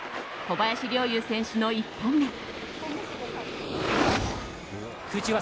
小林陵侑選手の１本目。